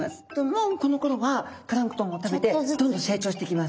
もうこのころはプランクトンも食べてどんどん成長していきますね。